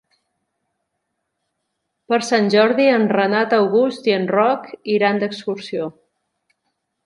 Per Sant Jordi en Renat August i en Roc iran d'excursió.